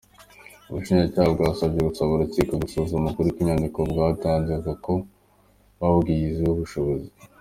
Ubushinjacyaha bwasoje busaba urukiko gusuzuma ukuri kw’inyandiko bwatanze kuko babwizeyeho ubushishozi.